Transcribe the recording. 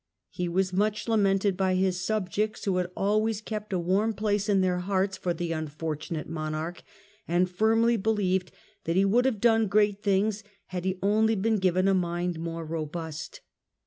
He was much vi., Oct. 14.99 lamented by his subjects, who had always kept a warm place in their hearts for the unfortunate monarch and firmly believed that he would have done great things had he only been given a mind more robust.